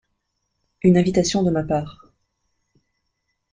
Une invitation de ma part.